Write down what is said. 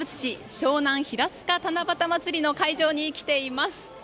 湘南ひらつか七夕まつりの会場に来ています。